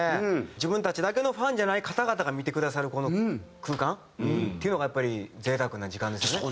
自分たちだけのファンじゃない方々が見てくださるこの空間っていうのがやっぱり贅沢な時間ですよね。